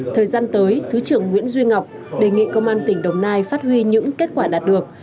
thời gian tới thứ trưởng nguyễn duy ngọc đề nghị công an tỉnh đồng nai phát huy những kết quả đạt được